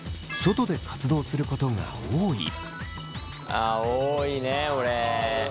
あ多いね俺。